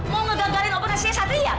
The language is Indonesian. mau ngeganggalin operasinya satria